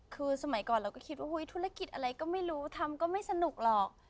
คือสมัยก่อนเราก็คิดว่าธุรกิจอะไรก็ไม่รู้ทำก็ไม่สนุกหรอก